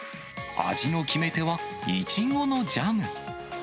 味の決め手は、イチゴのジャム。